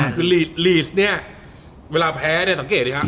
คือลีสเนี่ยเวลาแพ้เนี่ยสังเกตดีครับ